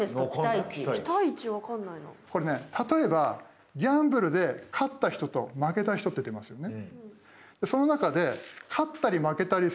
これね例えばギャンブルで勝った人と負けた人って出ますよね。